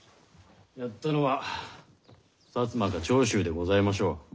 やったのは摩か長州でございましょう。